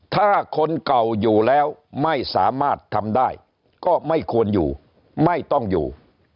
ถ้าคนเก่าอยู่แล้วไม่สามารถทำได้ก็ไม่ควรอยู่ไม่ต้องอยู่